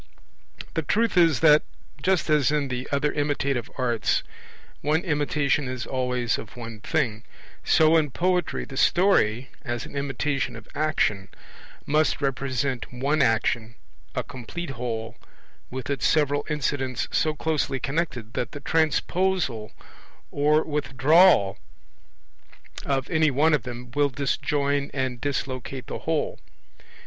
The truth is that, just as in the other imitative arts one imitation is always of one thing, so in poetry the story, as an imitation of action, must represent one action, a complete whole, with its several incidents so closely connected that the transposal or withdrawal of any one of them will disjoin and dislocate the whole.